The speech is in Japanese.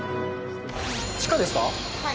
地下ですか？